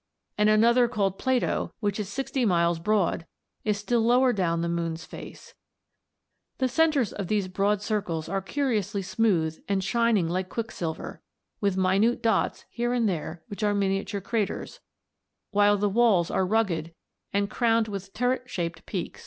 3 and 7), and another called Plato, which is sixty miles broad, is still lower down the moon's face (Figs. 3 and 8). The centres of these broad circles are curiously smooth and shining like quicksilver, with minute dots here and there which are miniature craters, while the walls are rugged and crowned with turret shaped peaks."